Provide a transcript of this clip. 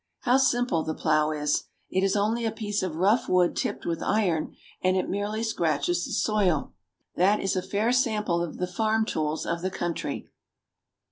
How simple the plow is ! It is only a piece of rough wood tipped with iron, and it merely scratches the soil. That is a fair sample of the farm tools of the country.